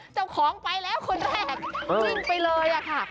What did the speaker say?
เจ้าของไปแล้วคนแรกวิ่งไปเลยค่ะ